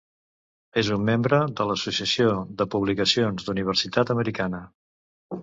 És un membre de l'Associació de Publicacions d'Universitat Americana.